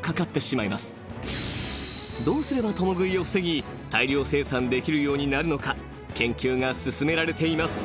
［どうすれば共食いを防ぎ大量生産できるようになるのか研究が進められています］